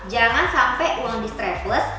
jangan sampai uang di strapless